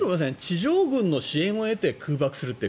地上軍の支援を得て空爆するって。